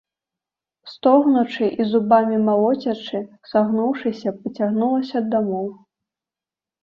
Стогнучы і зубамі малоцячы, сагнуўшыся, пацягнулася дамоў.